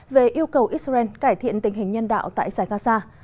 về yêu cầu israel cải thiện tình hình nhân đạo tại giải gaza